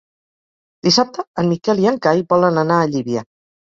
Dissabte en Miquel i en Cai volen anar a Llívia.